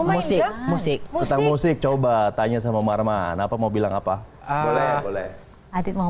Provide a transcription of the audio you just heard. musik musik tentang musik coba tanya sama marman apa mau bilang apa boleh boleh adit mau